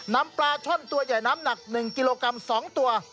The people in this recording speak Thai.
นำปลาช่อนตัวใหญ่น้ำหนัก๑กิโลกรัม๒ตัว